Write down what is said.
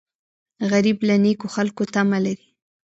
غریب له نیکو خلکو تمه لري